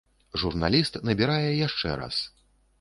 Журналіст набірае яшчэ раз.